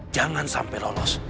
jangan sampai lolos